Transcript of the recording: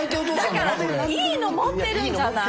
だからいいの持ってるんじゃない？